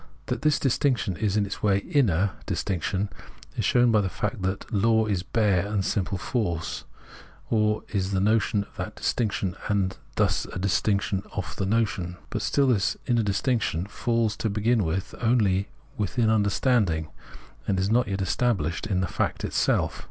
That this distinction is in this way mner distinction is shown by the fact that law is bare and simple force, or is the notion of that distinction, and thus is a distinction of the notion. But still this inner distinction falls to begin with only within under standing, and is not yet estabhshed in the fact itself.